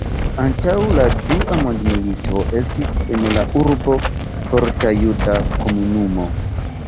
Antaŭ la Dua mondmilito estis en la urbo forta juda komunumo.